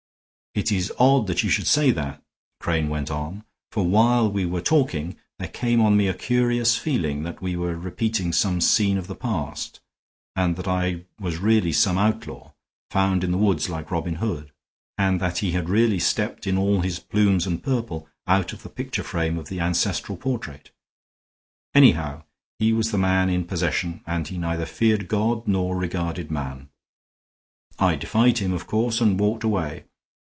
"It is odd that you should say that," Crane went on. "For while we were talking there came on me a curious feeling that we were repeating some scene of the past, and that I was really some outlaw, found in the woods like Robin Hood, and that he had really stepped in all his plumes and purple out of the picture frame of the ancestral portrait. Anyhow, he was the man in possession, and he neither feared God nor regarded man. I defied him, of course, and walked away.